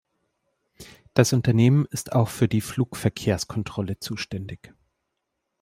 Das Unternehmen ist auch für die Flugverkehrskontrolle zuständig.